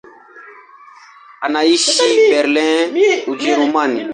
Anaishi Berlin, Ujerumani.